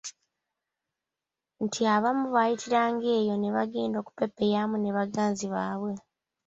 Nti abamu baayitiranga eyo ne bagenda okupepeyaamu ne baganzi baabwe.